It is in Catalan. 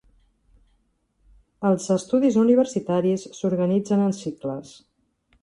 Els estudis universitaris s'organitzen en cicles.